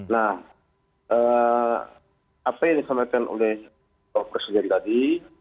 nah apa yang disampaikan oleh pak presiden tadi